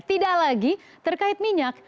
tidak lagi terkait minyak